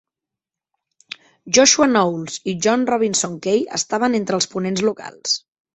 Joshua Knowles i John Robinson Kay estaven entre els ponents locals.